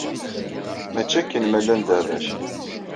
Mačči akken ma llan d arrac.